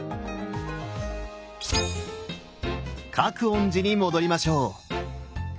覚園寺に戻りましょう！